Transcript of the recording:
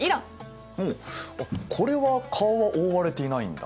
おおこれは顔は覆われていないんだ。